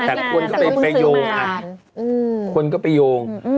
ทุกคนก็ไปโยงนะคนก็ไปโยง